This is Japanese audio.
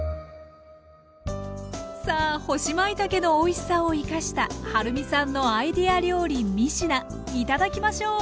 さあ干しまいたけのおいしさを生かしたはるみさんのアイデア料理３品頂きましょう！